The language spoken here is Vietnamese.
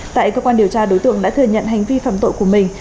tại cơ quan điều tra đối tượng đã thừa nhận hành vi phạm tội của mình